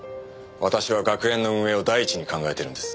私は学園の運営を第一に考えてるんです。